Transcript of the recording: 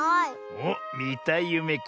おっみたいゆめか。